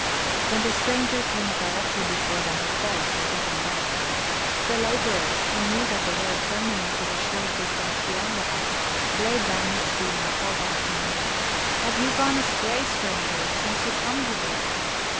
When the stranger came directly before them he paused, as if in doubt. The laborer, who knew that the road terminated a short distance beyond the hut, laid down his spoon and called out to him: "Have you gone astray, stranger, since you come hither?